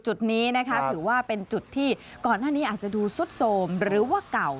จุดนี้นะคะถือว่าเป็นจุดที่ก่อนหน้านี้อาจจะดูซุดโสมหรือว่าเก่า